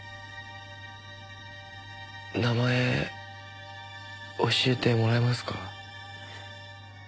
名前教えてもらえますか？